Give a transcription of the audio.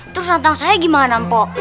terus ranteng saya gimana mpo